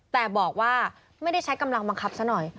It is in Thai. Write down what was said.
แต่บอกว่าไม่ได้ใช้กำลังบังคับซะหน่อย